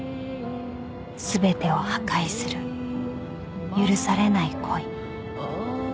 ［全てを破壊する許されない恋］